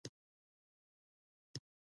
دوی په ودانیو او لارو پانګونه کوي.